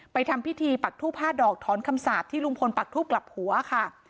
ทำพิธีปักทูบ๕ดอกถอนคำสาปที่ลุงพลปักทูบกลับหัวค่ะ